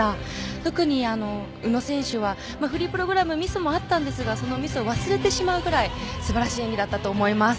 特に宇野選手はフリープログラムはミスもあったんですがそのミスを忘れてしまうくらい素晴らしい演技だったと思います。